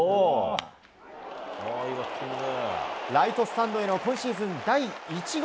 ライトスタンドへの今シーズン第１号。